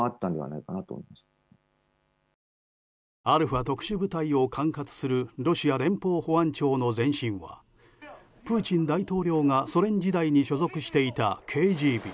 アルファ特殊部隊を管轄するロシア連邦保安庁の前身はプーチン大統領がソ連時代に所属していたＫＧＢ。